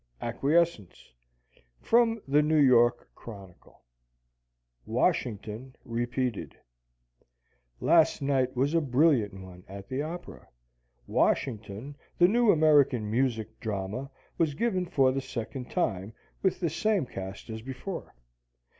ACQUIESCENCE_ From the "New York Chronicle": "WASHINGTON" REPEATED Last night was a brilliant one at the opera. "Washington," the new American music drama, was given for the second time, with the same cast as before.